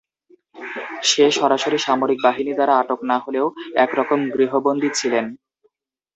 সে সরাসরি সামরিক বাহিনী দ্বারা আটক না হলেও এক রকম গৃহবন্দী ছিলেন।